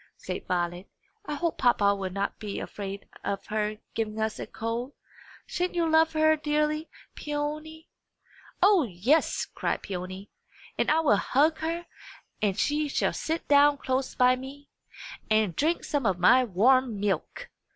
said Violet. "I hope papa will not be afraid of her giving us a cold! Sha'n't you love her dearly, Peony?" "O yes!" cried Peony. "And I will hug her and she shall sit down close by me, and drink some of my warm milk!"